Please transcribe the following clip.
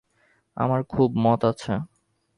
আমার খুব মত আছে।